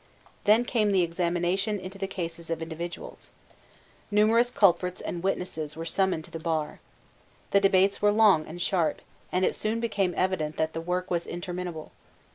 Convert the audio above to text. Then came the examination into the cases of individuals. Numerous culprits and witnesses were summoned to the bar. The debates were long and sharp; and it soon became evident that the work was interminable.